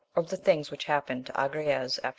— Of the things which happened to Agrayes after .